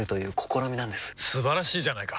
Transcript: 素晴らしいじゃないか！